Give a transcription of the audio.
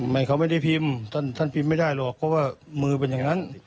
ไม่เขาไม่ได้พิมพ์ท่านพิมพ์ไม่ได้หรอกเพราะว่ามือเป็นอย่างนั้น